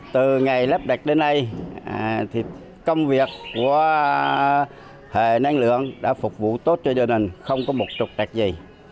từ ngày lắp đặt đến nay công việc của hệ năng lượng đã phục vụ tốt cho gia đình không có một trục trạc gì